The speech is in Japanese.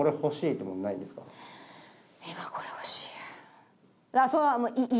今これ欲しい？家？